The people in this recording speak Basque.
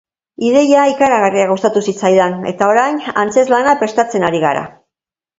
Ideia ikaragarri gustatu zitzaidan eta, orain, antzezlana prestatzen ari gara.